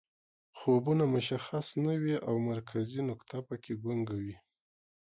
خوبونه مشخص نه وي او مرکزي نقطه پکې ګونګه وي